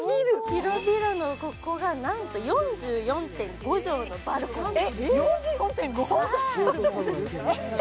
広々のここが、なんと４４．５畳のバルコニー。